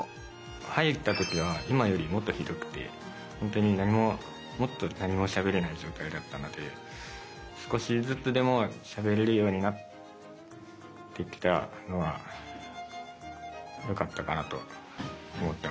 入った時は今よりもっとひどくて本当に何ももっと何もしゃべれない状態だったので少しずつでもしゃべれるようになってきたのはよかったかなと思ってます。